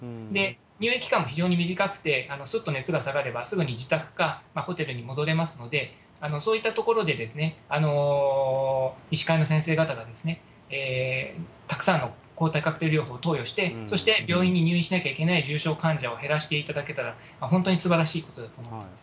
入院期間も非常に短くて、すっと熱が下がれば、すぐに自宅かホテルに戻れますので、そういったところで医師会の先生方が、たくさんの抗体カクテル療法を投与して、そして病院に入院しなきゃいけない重症患者を減らしていただけたら、本当にすばらしいことだと思ってます。